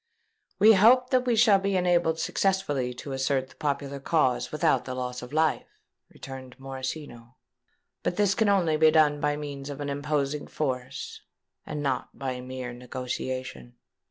"We hope that we shall be enabled successfully to assert the popular cause without the loss of life," returned Morosino. "But this can only be done by means of an imposing force, and not by mere negotiation."